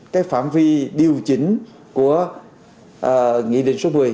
cái phạm vi điều chỉnh của nghị định số một mươi